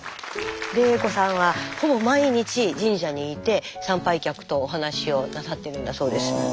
玲子さんはほぼ毎日神社にいて参拝客とお話をなさってるんだそうです。